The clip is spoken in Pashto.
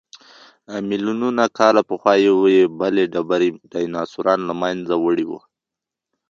ملیونونه کاله پخوا یوې بلې ډبرې ډیناسوران له منځه وړي وو.